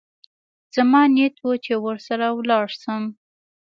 زما نيت و چې ورسره ولاړ سم.